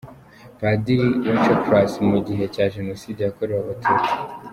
Padiri Wencekalas mu gihe cya Jenoside yakorewe Abatutsi.